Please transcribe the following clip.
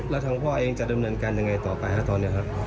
แล้วทางพ่อเองจะดำเนินการยังไงต่อไปฮะตอนนี้ครับ